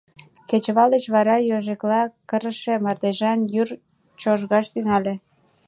Кечывал деч вара йожекла кырыше мардежан йӱр чожгаш тӱҥале.